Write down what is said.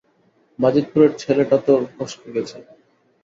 বাজিতপুরের ছেলেটা তো ফসকে গেছে।